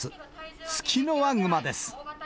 ツキノワグマです。